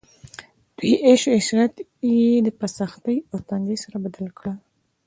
د دوی عيش عشرت ئي په سختۍ او تنګۍ سره بدل کړ